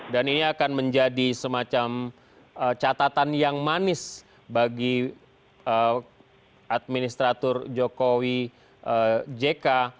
dan ini akan menjadi semacam catatan yang manis bagi administratur jokowi jk